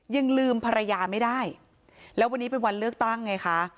ยังลืมภรรยาไม่ได้แล้ววันนี้เป็นวันเลือกตั้งไงคะ